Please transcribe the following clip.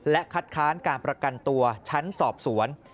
และคัดค้านการประกันตัวชั้นสอบสวน